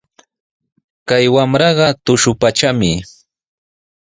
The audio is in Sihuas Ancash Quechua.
Kay wamraqa tushupatrami.